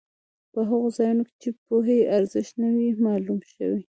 په هغو ځایونو کې چې پوهې ارزښت نه وي معلوم شوی.